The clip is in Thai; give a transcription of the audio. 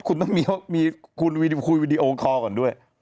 คุณต้องมีคุณคุยวีดีโอคอร์ก่อนด้วย